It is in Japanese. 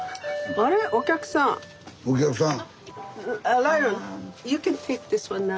お客さん。